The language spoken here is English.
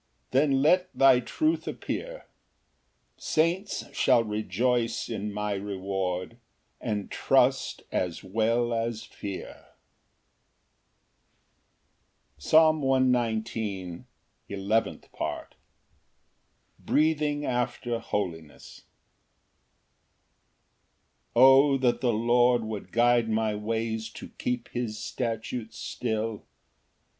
Then let thy truth appear: Saints shall rejoice in my reward, And trust as well as fear. Psalm 119:11. Eleventh Part. Breathing after holiness. Ver. 5 33. 1 O that the Lord would guide my ways To keep his statutes still!